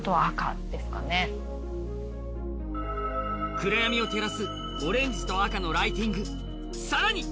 暗闇を照らすオレンジと赤のライティング。